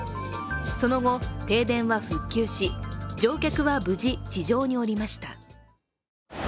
その後、停電は復旧し、乗客は無事、地上に降りました。